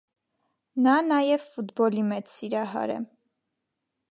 Նա նաև ֆուտբոլի մեծ սիրահար է։